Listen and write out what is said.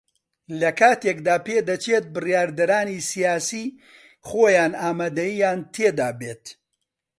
لە کاتێکدا پێدەچێت بڕیاردەرانی سیاسی خۆیان ئامادەیییان تێدا بێت